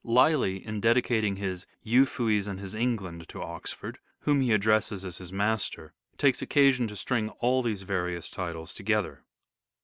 Lyly in dedicating his " Euphues and his England " to Oxford, whom he addresses as his master, takes occasion to string all these various titles together.